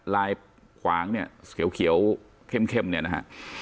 ลายขวางเนี่ยเขียวเข้มเนี่ยนะฮะ